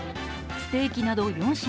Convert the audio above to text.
ステーキなど４品